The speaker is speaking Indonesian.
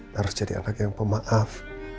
harus jadi anak yang pemaaf